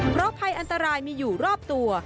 เพราะภัยอันตรายมีอยู่รอบตัว